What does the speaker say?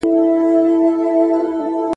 ټيکټونيکي تختې خوځېږي.